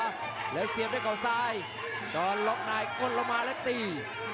เหลือเสียบด้วยข่าวซ้ายจอดล๊อคไนท์กวนลงมาแล้วตี